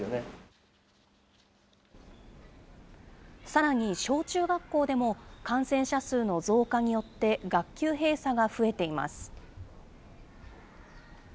さらに小中学校でも、感染者数の増加によって学級閉鎖が増えています。